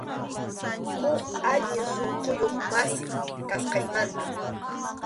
Huk allin sunquyuq masi, kasqaymanta.